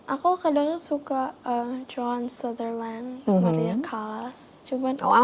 aku kadang kadang suka john sutherland maria callas